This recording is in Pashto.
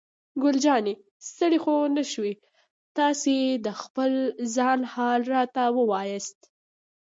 ګل جانې: ستړی خو نه شوې؟ تاسې د خپل ځان حال راته ووایاست.